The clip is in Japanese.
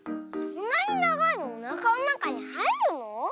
そんなにながいのおなかのなかにはいるの？